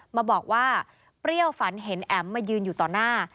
มาบอกว่าเปรี้ยวฝันเห็นแอ๋มมายืนอยู่ต่อหน้า